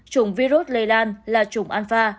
trùng virus lây lan là trùng alpha